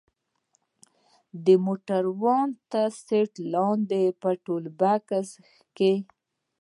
د موټروان تر سيټ لاندې په ټولبکس کښې.